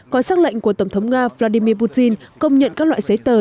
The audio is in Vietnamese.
có xác lệnh của tổng thống nga vladimir putin công nhận các loại giấy tờ